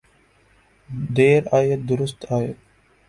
دیر آید درست آید۔